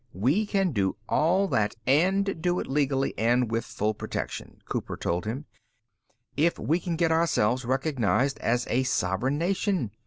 "We can do all that and do it legally and with full protection," Cooper told him, "if we can get ourselves recognized as a sovereign nation.